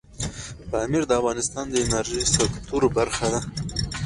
پامیر د افغانستان د انرژۍ سکتور برخه ده.